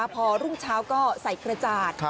พอรุ่งเช้าก็ใส่กระจาด